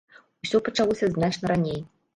Усё пачалося значна раней.